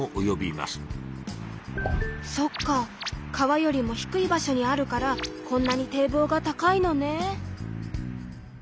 そっか川よりも低い場所にあるからこんなに堤防が高いのね。